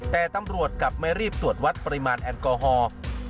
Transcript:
แต่ตำรวจกลับไม่รีบตรวจวัดปริมาณแอลกอฮอล์